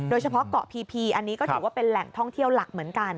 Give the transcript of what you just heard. โดยเฉพาะเกาะพีอันนี้ก็ถือว่าเป็นแหล่งท่องเที่ยวหลักเหมือนกัน